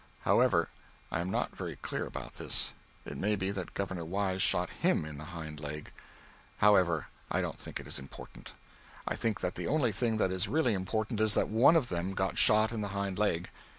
However, I am not very clear about this. It may be that Governor Wise shot him in the hind leg. However, I don't think it is important. I think that the only thing that is really important is that one of them got shot in the hind leg.